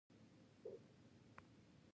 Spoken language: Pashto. د نادره ځمکنۍ عناصرو ارزښت څه دی؟